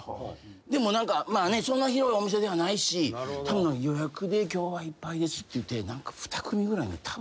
でもそんな広いお店ではないしたぶん「予約で今日はいっぱいです」って言って２組ぐらいね